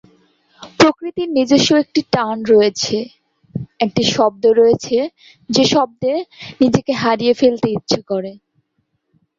এরপর তিব্বত সরকার তাঁদের পক্ষ থেকে বেইজিং শহরে তাঁদের প্রতিনিধিদল পাঠাতে সম্মত হন।